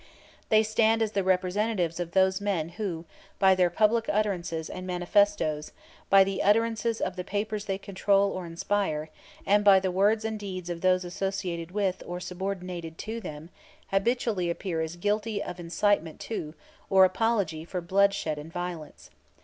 They stand as the representatives of those men who by their public utterances and manifestoes, by the utterances of the papers they control or inspire, and by the words and deeds of those associated with or subordinated to them, habitually appear as guilty of incitement to or apology for bloodshed and violence.